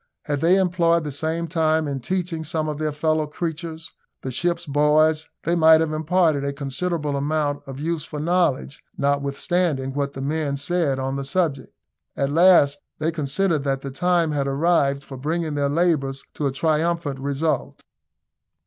Had they employed the same time in teaching some of their fellow creatures, the ship's boys, they might have imparted a considerable amount of useful knowledge, notwithstanding what the men said on the subject. At last they considered that the time had arrived for bringing their labours to a triumphant result.